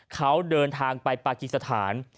เขาเดินทางไปปากีสถาน